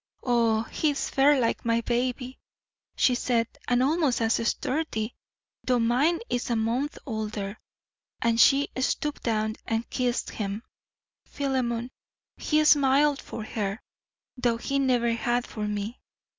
"Oh, he is fair like my baby," she said, "and almost as sturdy, though mine is a month older." And she stooped down and kissed him. Philemon, he smiled for her, though he never had for me.